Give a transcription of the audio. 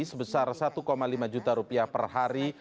sebesar satu lima juta rupiah per hari